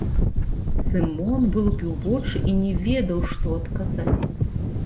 Сымон вылупіў вочы і не ведаў, што адказаць.